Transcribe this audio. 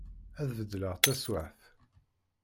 Ad bedleγ taswaԑt.